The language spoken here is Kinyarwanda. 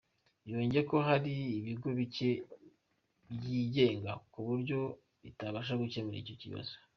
Yongeyeho ko hari ibigo bike byigenga ku buryo bitabasha gukemura icyo kibazo.